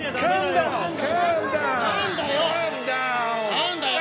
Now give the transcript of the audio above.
何だよ！